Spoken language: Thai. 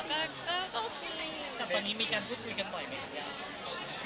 กับวันนี้มีการพูดคุยกันบ่อยไหมทั้งอย่าง